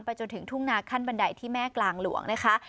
จนถึงทุ่งนาขั้นบันไดที่แม่กลางหลวงนะคะ